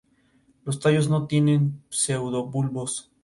Los tallos no tienen pseudobulbos.